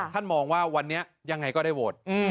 มองว่าวันนี้ยังไงก็ได้โหวต